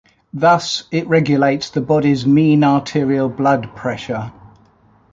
Thus, it regulates the body's mean arterial blood pressure.